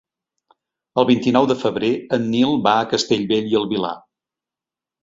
El vint-i-nou de febrer en Nil va a Castellbell i el Vilar.